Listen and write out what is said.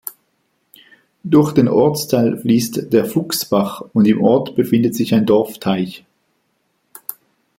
Durch den Ortsteil fließt der "Fuchsbach" und im Ort befindet sich ein Dorfteich.